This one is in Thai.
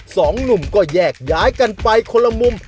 สองหนุ่มก็แยกย้ายกันไปคนละมุม